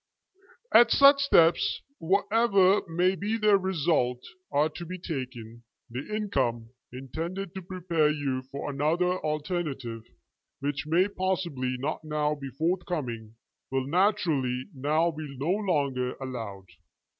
"As such steps, whatever may be their result, are to be taken, the income, intended to prepare you for another alternative, which may possibly not now be forth coming, will naturally now be no longer allowed.